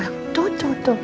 ini bantulnya tuh tuh tuh